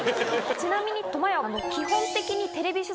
ちなみに苫屋は。